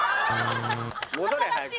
戻れ早く。